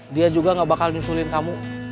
dia juga gak bakal nyusulin kamu